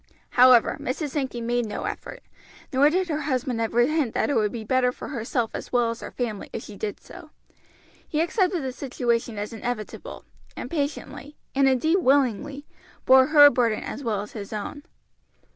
However, Mrs. Sankey made no effort, nor did her husband ever hint that it would be better for herself as well as her family if she did so. He accepted the situation as inevitable, and patiently, and indeed willingly, bore her burden as well as his own.